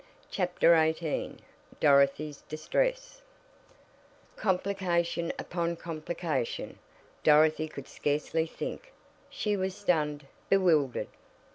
CHAPTER XVIII DOROTHY'S DISTRESS Complication upon complication! Dorothy could scarcely think she was stunned, bewildered.